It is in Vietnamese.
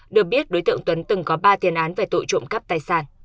được biết đối tượng tuấn từng có ba tiền án về tội trộm cắp tài sản